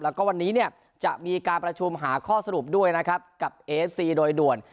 แล้วก็วันนี้เนี่ยจะมีการประชุมหาข้อสรุปด้วยนะครับกับเอฟซีโดยด่วน